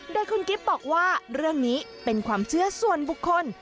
โดยคุณกิฟต์บอกว่าเรื่องนี้เป็นความเชื่อส่วนบุคคล